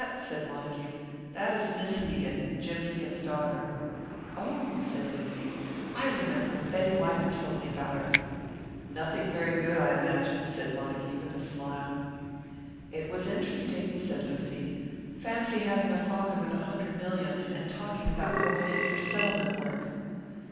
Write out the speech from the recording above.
said Montague. "That is Miss Hegan Jim Hegan's daughter." "Oh!" said Lucy. "I remember Betty Wyman told me about her." "Nothing very good, I imagine," said Montague, with a smile. "It was interesting," said Lucy. "Fancy having a father with a hundred millions, and talking about going in for settlement work!"